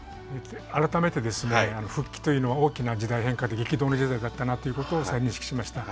改めて復帰というのは大きな時代変化で激動の時代だったなということを再認識しました。